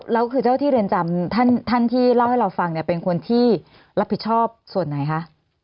แล้วคือเจ้าที่เรือนจำท่านที่เล่าให้เราฟังเนี่ยเป็นคนที่รับผิดชอบส่วนไหนคะ